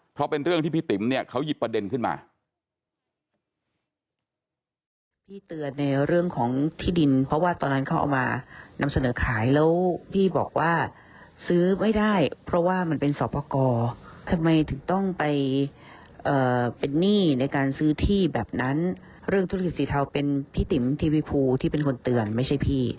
เพราะเป็นเรื่องที่พี่ติ๋มเนี่ยเขาหยิบประเด็นขึ้นมา